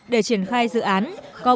để triển khai dự án có bốn